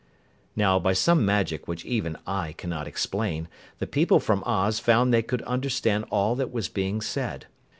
Now by some magic which even I cannot explain, the people from Oz found they could understand all that was being said.